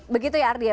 begitu ya ardy ya